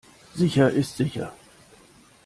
Sicher ist sicher.